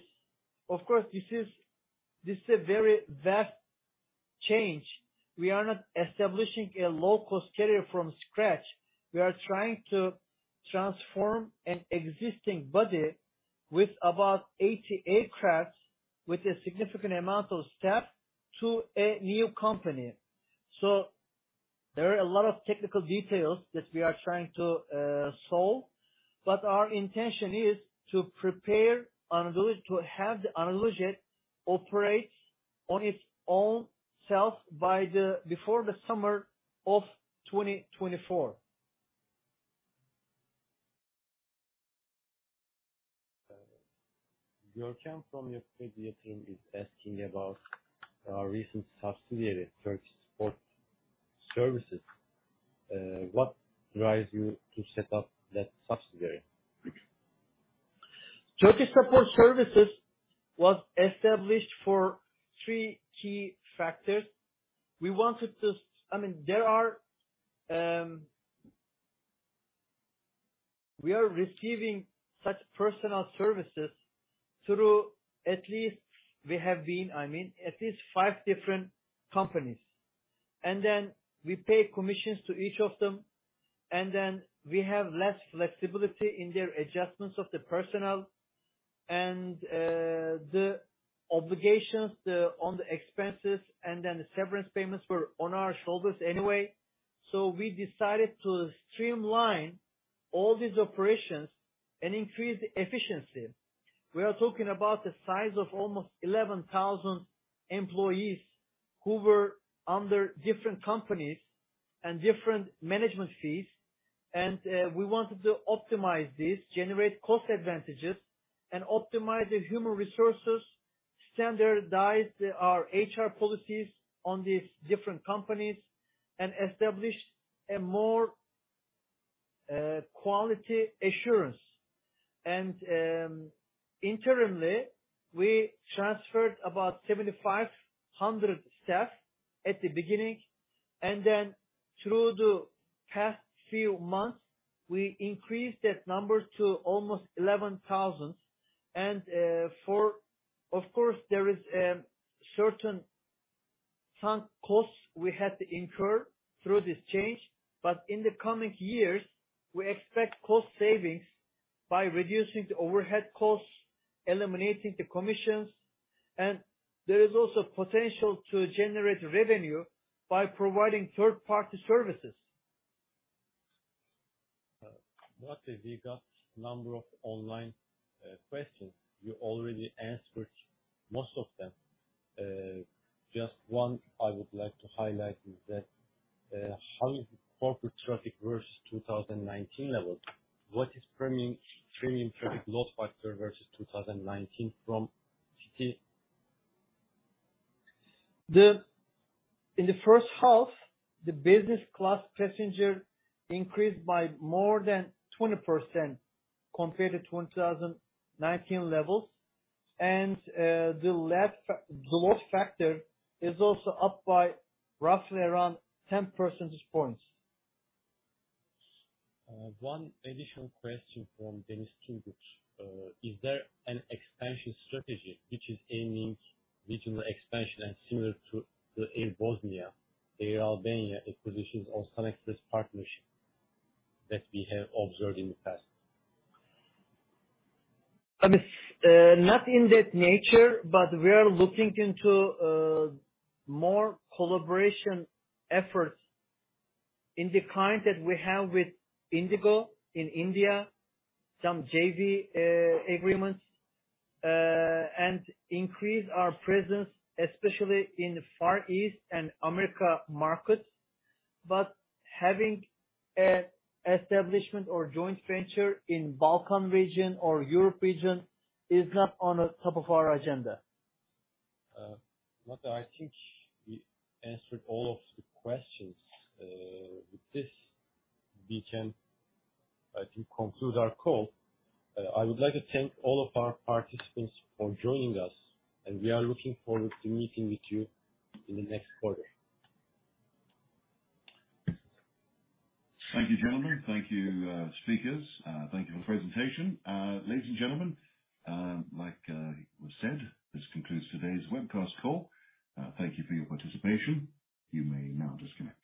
of course, this is a very vast change. We are not establishing a low-cost carrier from scratch. We are trying to transform an existing budget with about 80 aircraft, with a significant amount of staff, to a new company. There are a lot of technical details that we are trying to solve, but our intention is to have the AnadoluJet operate on its own self by the, before the summer of 2024. Gürkan Mangtay from investment team is asking about our recent subsidiary, Turkish Support Services. What drives you to set up that subsidiary? Turkish Support Services was established for three key factors. We wanted to... I mean, there are, we are receiving such personal services through at least we have been, I mean, at least 5 different companies. We pay commissions to each of them. We have less flexibility in their adjustments of the personnel and the obligations, the, on the expenses. The severance payments were on our shoulders anyway. We decided to streamline all these operations and increase the efficiency. We are talking about the size of almost 11,000 employees who were under different companies and different management fees, and we wanted to optimize this, generate cost advantages, and optimize the human resources, standardize our HR policies on these different companies, and establish a more quality assurance. Internally, we transferred about 7,500 staff at the beginning, and then through the past few months, we increased that number to almost 11,000. Of course, there is certain some costs we had to incur through this change, but in the coming years, we expect cost savings by reducing the overhead costs, eliminating the commissions, and there is also potential to generate revenue by providing third-party services. What if we got number of online questions. You already answered most of them. Just one I would like to highlight is that, how is corporate traffic versus 2019 level? What is premium, premium traffic load factor versus 2019 from city? In the first half, the business class passenger increased by more than 20% compared to 2019 levels. The load factor is also up by roughly around 10 percentage points. One additional question from Denis Kinguc. Is there an expansion strategy which is aiming regional expansion and similar to the Air Bosna, Air Albania acquisitions, or SunExpress partnership that we have observed in the past? I mean, not in that nature, but we are looking into more collaboration efforts in the kind that we have with Indigo in India, some JV agreements, and increase our presence, especially in the Far East and America markets. Having a establishment or joint venture in Balkan region or Europe region is not on the top of our agenda. I think we answered all of the questions. With this, we can, to conclude our call. I would like to thank all of our participants for joining us. We are looking forward to meeting with you in the next quarter. Thank you, gentlemen. Thank you, speakers. Thank you for the presentation. Ladies and gentlemen, like was said, this concludes today's webcast call. Thank you for your participation. You may now disconnect.